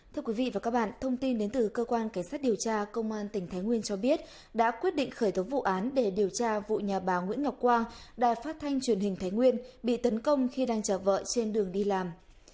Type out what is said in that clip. thưa quý vị và các bạn thông tin đến từ cơ quan cảnh sát điều tra công an tỉnh thái nguyên cho biết đã quyết định khởi tố vụ án để điều tra vụ nhà bà nguyễn ngọc quang đài phát thanh truyền hình thái nguyên bị tấn công khi đang chờ vợ trên đường đi làm